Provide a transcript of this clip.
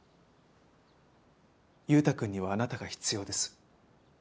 優太くんにはあなたが必要です。